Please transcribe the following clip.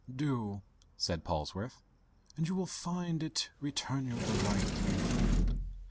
"Do," said Polwarth, "and you will find it return you the light threefold.